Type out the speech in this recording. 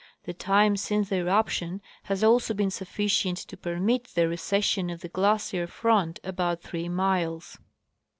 The time since the eruption has also been sufficient to permit the recession of the glacier front about three miles.